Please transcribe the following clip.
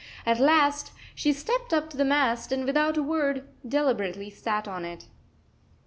At last she stepped up to the mast and, without a word, deliberately sat on it.